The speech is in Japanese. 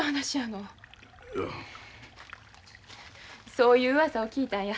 そういううわさを聞いたんや。